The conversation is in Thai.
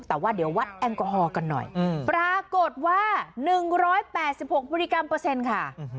แต่ว่าเดี๋ยววัดแอลกอฮอล์กันหน่อยปรากฏว่า๑๘๖มิลลิกรัมเปอร์เซ็นต์ค่ะ